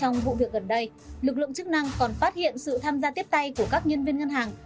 trong vụ việc gần đây lực lượng chức năng còn phát hiện sự tham gia tiếp tay của các nhân viên ngân hàng